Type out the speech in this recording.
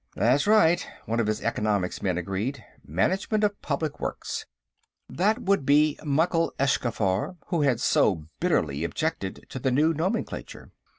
"That's right," one of his economics men agreed. "Management of Public Works." That would be Mykhyl Eschkhaffar, who had so bitterly objected to the new nomenclature.